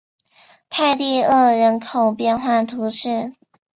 泰蒂厄人口变化图示